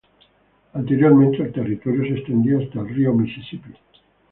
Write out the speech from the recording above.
Anteriormente el territorio se extendía hasta el río Misisipi.